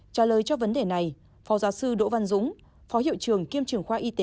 trả lời cho vấn đề này phó giáo sư đỗ văn dũng phó hiệu trưởng kiêm trưởng khoa y tế